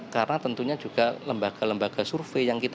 karena tentunya juga lembaga lembaga yang lainnya yang lainnya juga yang lainnya